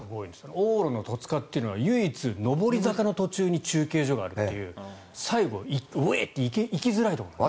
往路の戸塚っていうのは唯一、上り坂の途中に中継所があるっていう最後、ウェイ！て行きづらいところなんです。